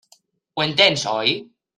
Ho entens, oi?